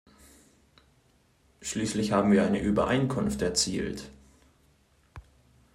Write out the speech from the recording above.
Schließlich haben wir eine Übereinkunft erzielt.